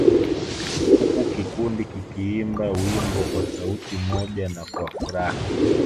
Huku kikundi kikiimba wimbo kwa sauti moja na kwa furaha